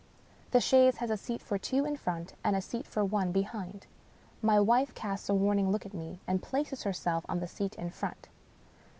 The chaise has a seat for two in front, and a seat for one behind. My wife casts a warning look at me, and places herself on the seat in front.